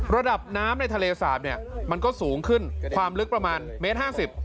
ระดับน้ำในทะเลสาบเนี่ยมันก็สูงขึ้นความลึกประมาณเมตรห้าสิบ